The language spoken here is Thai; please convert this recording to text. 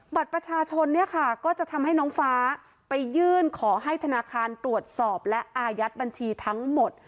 บัตรประชาชนเนี่ยค่ะก็จะทำให้น้องฟ้าไปยื่นขอให้ธนาคารตรวจสอบและอายัดบัญชีทั้งหมด